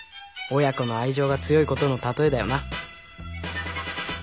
親子の愛情が強いことの例えだよな。